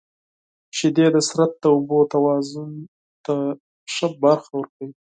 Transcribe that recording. • شیدې د بدن د اوبو توازن ته مهمه برخه ورکوي.